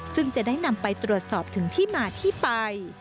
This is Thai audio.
ซึ่งจะได้นำไปตรวจสอบถึงที่มาที่ไป